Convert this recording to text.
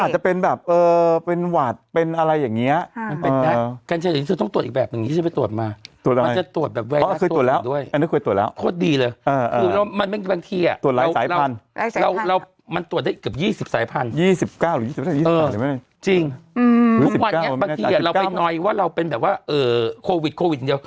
เมื่อกี้เราไปหน่อยว่าเราเป็นแบบว่าโควิดเดี๋ยว